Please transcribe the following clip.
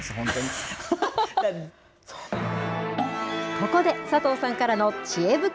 ここで佐藤さんからのちえ袋。